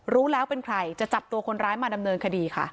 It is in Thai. รู้แล้วเป็นใครจะจับตัวคนร้ายมาดำเนินคดีค่ะ